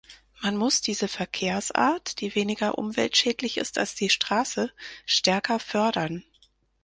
Man muss diese Verkehrsart, die weniger umweltschädlich ist als die Straße, stärker fördern.